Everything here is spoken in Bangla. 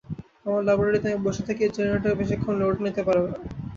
আমার ল্যাবরেটরিতে আমি বসে থাকি, জেনারেটর বেশিক্ষণ লোডও নিতে পারে না।